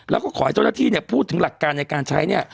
แล้วก็ขอลาที่พูดถึงหลักการในการใช้